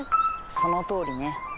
そのとおりね。